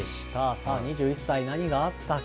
さあ、２１歳、何があったか。